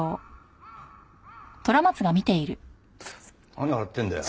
何笑ってるんだよ？